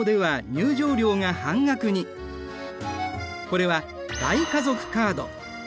これは大家族カード。